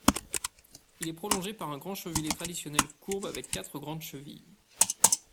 Il est prolongé par un grand cheviller traditionnel courbe avec quatre grandes chevilles.